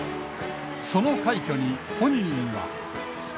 その快挙に本人は。